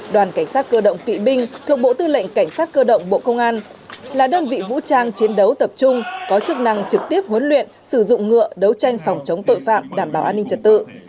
đoàn cảnh sát cơ động kỵ binh thuộc bộ tư lệnh cảnh sát cơ động bộ công an là đơn vị vũ trang chiến đấu tập trung có chức năng trực tiếp huấn luyện sử dụng ngựa đấu tranh phòng chống tội phạm đảm bảo an ninh trật tự